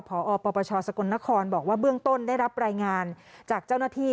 พอปปชสกลนครบอกว่าเบื้องต้นได้รับรายงานจากเจ้าหน้าที่